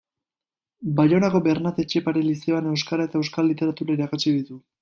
Baionako Bernat Etxepare lizeoan euskara eta euskal literatura irakatsi ditu.